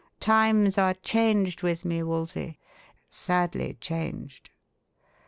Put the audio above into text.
Times are changed with me, Wolsey sadly changed."